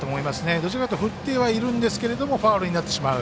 どちらかというと振ってはいるんですけどファウルになってしまう。